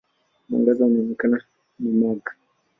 Mwangaza unaoonekana ni mag.